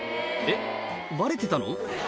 「えっバレてたの？」